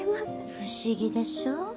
不思議でしょう？